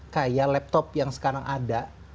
kayak laptop yang sekarang ada